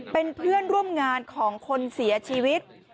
เป็นเพื่อนร่วมงานของคนเสียชีวิต